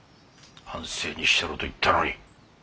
安静にしてろと言ったのに。